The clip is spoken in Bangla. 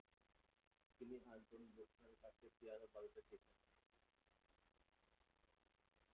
তিনি আন্টোন ব্রুকনারের কাছে পিয়ানো বাজাতে শিখেন।